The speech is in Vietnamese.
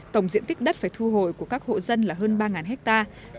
tổng diện tích đất phải thu hồi của các hộ dân là hơn ba hectare